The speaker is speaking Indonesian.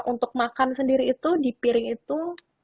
untuk makan sendiri itu di piring itu